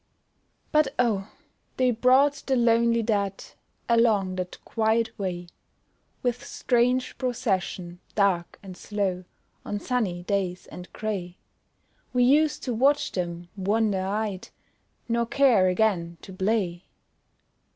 But, oh! they brought the lonely dead Along that quiet way, With strange procession, dark and slow, On sunny days and grey; We used to watch them, wonder eyed, Nor care again to play.